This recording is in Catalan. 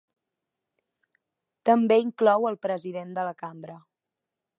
També inclou al president de la cambra.